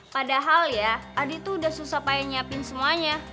padahal ya adit tuh udah susah payah nyiapin semuanya